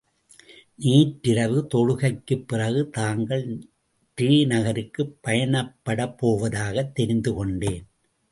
நேற்று இரவு தொழுகைக்குப் பிறகு தாங்கள் ரே நகருக்குப் பயணப்படப் போவதாகத் தெரிந்து கொண்டேன்.